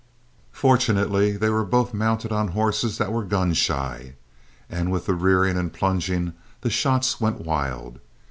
Fortunately they were both mounted on horses that were gun shy, and with the rearing and plunging the shots went wild.